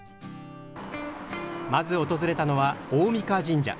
まず訪れたのは大甕神社。